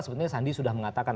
sebetulnya sandi sudah mengatakan